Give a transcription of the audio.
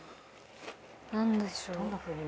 何でしょう？